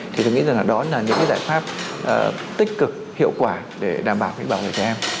thì tôi nghĩ rằng là đó là những cái giải pháp tích cực hiệu quả để đảm bảo bảo vệ trẻ em